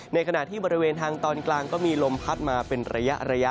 ในขณะที่บริเวณทางตอนกลางก็มีลมพัดมาเป็นระยะ